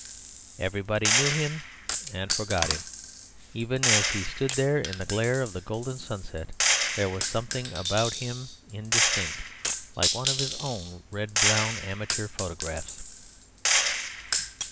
Everybody knew him and forgot him; even as he stood there in the glare of golden sunset there was something about him indistinct, like one of his own red brown amateur photographs.